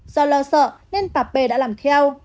do lo sợ nên bà p đã làm theo